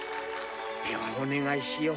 ではお願いしよう。